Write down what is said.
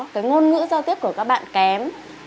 cái ngôn ngữ giao tiếp của các bạn kém